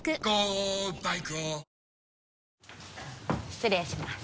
失礼します。